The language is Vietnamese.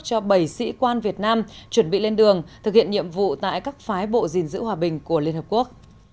cho bảy sĩ quan việt nam chuẩn bị lên đường thực hiện nhiệm vụ tại các phái bộ gìn giữ hòa bình của liên hợp quốc